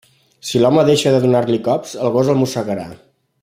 Si l'home deixa de donar-li cops, el gos el mossegarà.